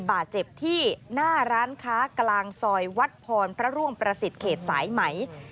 บาดเจ็บที่หน้าร้านค้ากลางซอยวัดพรพระร่วงประสิทธิ์เขตสายไหม